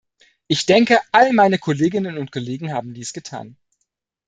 Ich denke, alle meine Kolleginnen und Kollegen haben dies getan.